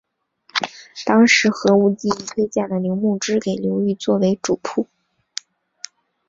当时何无忌亦推荐了刘穆之给刘裕作为主簿。